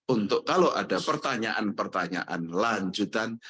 untuk kalau ada pertanyaan pertanyaan lanjutan